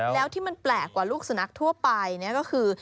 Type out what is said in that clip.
แล้วที่มันแปลกกว่าลูกสุนัขทั่วไปก็คือ